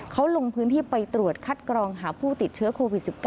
เขาลงพื้นที่ไปตรวจคัดกรองหาผู้ติดเชื้อโควิด๑๙